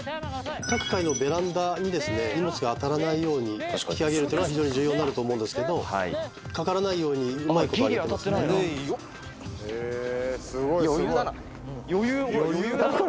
各階のベランダに荷物が当たらないように引き上げるというのが非常に重要になると思うんですけどかからないようにうまいこと上げてますね。